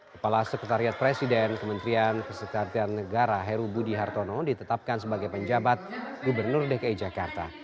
kepala sekretariat presiden kementerian kesehatan negara heru budi hartono ditetapkan sebagai penjabat gubernur dki jakarta